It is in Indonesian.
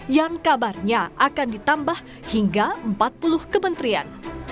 yang kabarnya akan ditambah hingga empat puluh kementerian